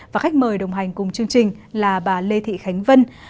và khách mời đồng hành cùng chương trình là bà lê thị khánh vân